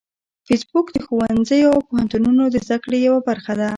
فېسبوک د ښوونځیو او پوهنتونونو د زده کړې یوه برخه ده